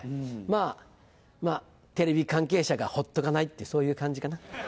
まぁテレビ関係者がほっとかないってそういう感じかな。